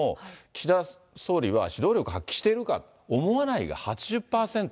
岸田総理は指導力発揮しているか、思わないが８０％。